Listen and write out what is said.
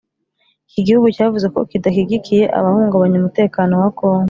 Iki gihugu cyavuze ko kidashyigikiye abahungabanya umutekano wa Congo